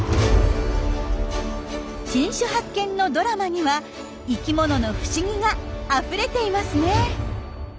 新種発見のドラマには生きものの不思議があふれていますね。